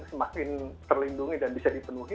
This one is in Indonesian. semakin terlindungi dan bisa dipenuhi